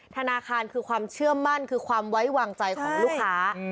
ธนาคารคือความเชื่อมั่นคือความไว้วางใจของลูกค้า